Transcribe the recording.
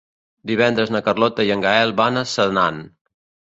Divendres na Carlota i en Gaël van a Senan.